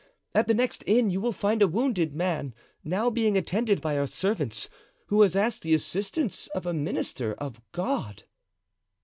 At the next inn you will find a wounded man, now being attended by our servants, who has asked the assistance of a minister of God."